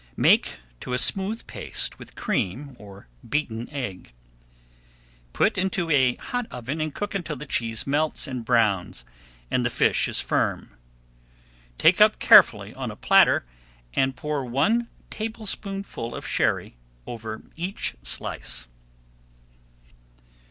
Make to a smooth paste with cream or beaten egg. Put into a hot oven and cook until the cheese melts and browns, and the fish is firm. Take up carefully on a platter, and pour one tablespoonful of Sherry over each slice.